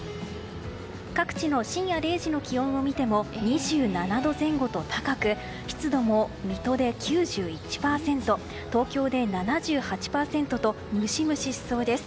各地の深夜０時の気温を見ても２７度前後と高く湿度も水戸で９１％東京で７８％とムシムシしそうです。